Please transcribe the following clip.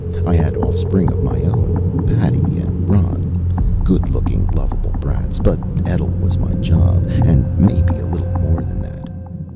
I had offspring of my own. Patty and Ron. Good looking, lovable brats. But Etl was my job and maybe a little more than that.